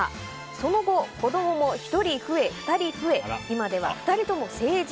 その後、子供も１人増え、２人増え今では２人とも成人。